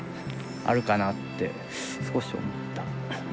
「あるかな」って少し思った。